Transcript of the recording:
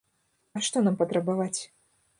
А што нам патрабаваць?